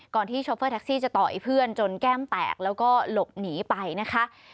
ที่โชเฟอร์แท็กซี่จะต่อยเพื่อนจนแก้มแตกแล้วก็หลบหนีไปนะคะ